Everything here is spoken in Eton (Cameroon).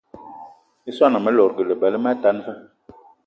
I swan ame lòdgì eba eme atan va